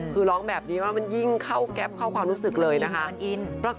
คือร้องแบบนี้ว่ามันยิ่งเข้าแก๊ปเข้าความรู้สึกเลยนะคะ